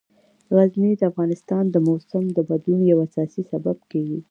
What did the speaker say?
غزني د افغانستان د موسم د بدلون یو اساسي سبب کېږي.